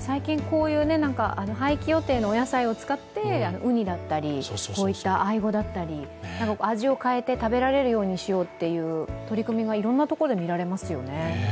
最近、こういう廃棄予定のお野菜を使ったり、うにだったりこういったアイゴだったり味を変えて食べられるようにしようという取り組みがいろいろなところで見られますよね。